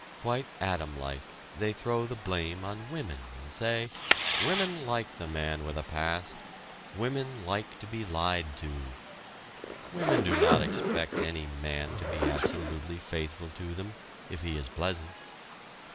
Quite Adam like, they throw the blame on women, and say: "Women like the man with a past. Women like to be lied to. Women do not expect any man to be absolutely faithful to them, if he is pleasant.